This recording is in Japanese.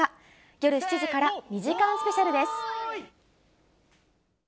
夜７時から２時間スペシャルです。